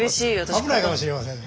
危ないかもしれません。